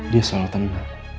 dia selalu tenang